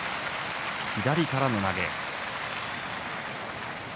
左からの投げ。